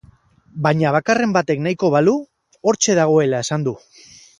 Baina bakarren batek nahiko balu, hortxe dagoela esan du.